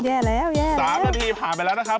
แย่แล้วแย่๓นาทีผ่านไปแล้วนะครับ